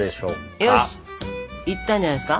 いったんじゃないですか？